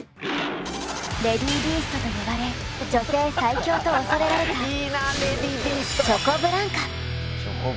レディ・ビーストと呼ばれ女性最強と恐れられたチョコブランカ。